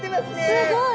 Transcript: すごい。